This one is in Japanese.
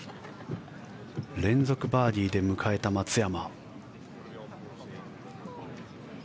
連続バーディーで迎えた松山。